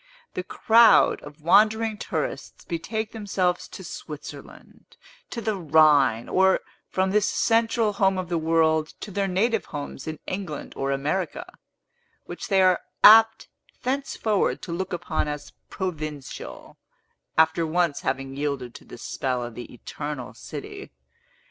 The crowd of wandering tourists betake themselves to Switzerland, to the Rhine, or, from this central home of the world, to their native homes in England or America, which they are apt thenceforward to look upon as provincial, after once having yielded to the spell of the Eternal City.